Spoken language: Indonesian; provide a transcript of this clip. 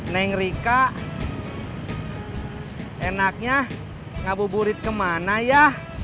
neng rika enaknya ngabur buri kemana ya